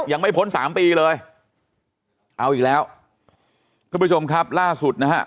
ยังไม่พ้นสามปีเลยเอาอีกแล้วท่านผู้ชมครับล่าสุดนะฮะ